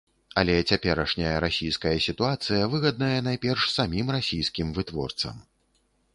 Але цяперашняя расійская сітуацыя выгадная найперш самім расійскім вытворцам.